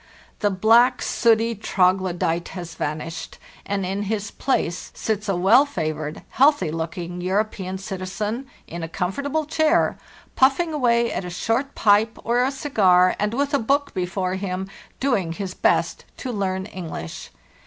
The black, sooty troglodyte has vanished, and in his place sits a well favored, healthy looking European citi zen in a comfortable chair, puffing away at a short pipe or a cigar, and with a book before him, doing his best to learn English.